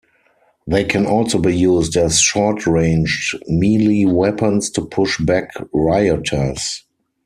They can also be used as short-ranged melee weapons to push back rioters.